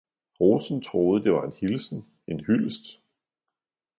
Rosen troede det var en hilsen, en hyldest.